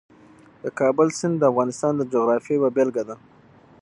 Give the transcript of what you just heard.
د کابل سیند د افغانستان د جغرافیې یوه بېلګه ده.